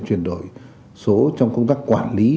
chuyển đổi số trong công tác quản lý